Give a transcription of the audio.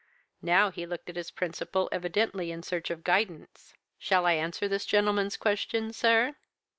Now he looked at his principal evidently in search of guidance. "'Shall I answer this gentleman's question, sir?'